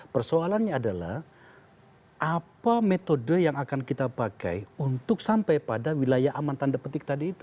persoalannya adalah apa metode yang akan kita pakai untuk sampai pada wilayah aman tanda petik tadi itu